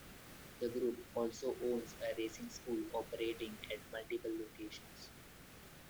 The group also owns a racing school operating at multiple locations.